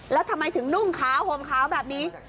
แล้วทำไมถึงนุ่งขาวห่มขาวแบบนี้